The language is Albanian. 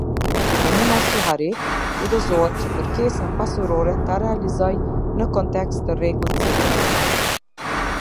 Komuna Suharekë, udhëzohet që kërkesën pasurore ta realizoj në kontest të rregullt civil.